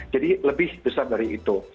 jadi lebih besar dari itu